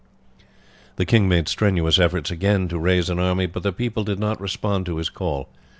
The king made strenuous efforts again to raise an army, but the people did not respond to his call.